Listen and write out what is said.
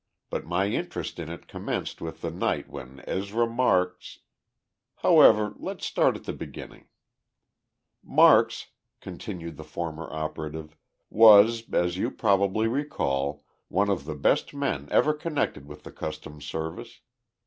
But my interest in it commenced with the night when Ezra Marks "However, let's start at the beginning." Marks [continued the former operative] was, as you probably recall, one of the best men ever connected with the Customs Service.